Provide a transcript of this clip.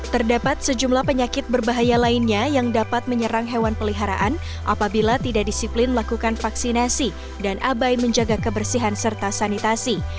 terdapat sejumlah penyakit berbahaya lainnya yang dapat menyerang hewan peliharaan apabila tidak disiplin melakukan vaksinasi dan abai menjaga kebersihan serta sanitasi